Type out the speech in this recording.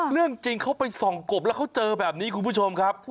เรื่องจริงเขาไปส่องกบแล้วเขาเจอแบบนี้คุณผู้ชมครับ